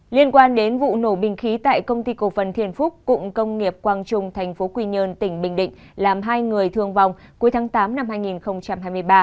liên quan đến vụ nổ bình khí tại công ty cổ phần thiền phúc cụng công nghiệp quang trung tp quy nhơn tỉnh bình định làm hai người thương vong cuối tháng tám năm hai nghìn hai mươi ba